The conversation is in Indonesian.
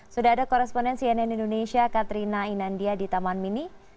sudah ada koresponen cnn indonesia katrina inandia di taman mini